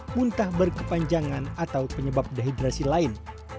muntah berkepanjangan atau penyebab dehidrasi lain